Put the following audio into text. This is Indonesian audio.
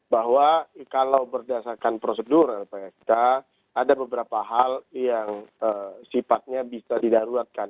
bahwa kalau berdasarkan prosedur lpsk ada beberapa hal yang sifatnya bisa didaruratkan